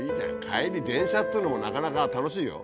帰り電車っていうのもなかなか楽しいよ。